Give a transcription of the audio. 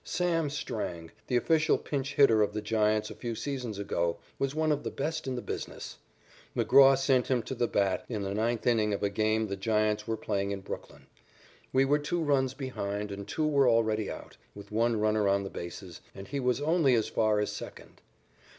"Sam" Strang, the official pinch hitter of the Giants a few seasons ago, was one of the best in the business. McGraw sent him to the bat in the ninth inning of a game the Giants were playing in Brooklyn. We were two runs behind and two were already out, with one runner on the bases, and he was only as far as second.